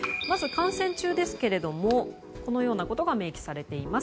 観戦中ですがこのようなことが明記されています。